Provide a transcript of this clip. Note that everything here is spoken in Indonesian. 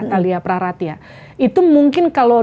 teh lia praratia itu mungkin kalau